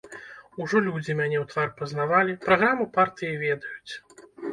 Ужо людзі мяне ў твар пазнавалі, праграму партыі ведаюць.